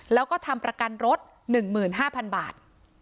แล้วก็ทำประกันรถ๑๕๐๐๐บาท